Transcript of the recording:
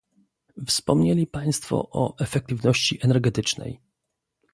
Wspomnieli Państwo o efektywności energetycznej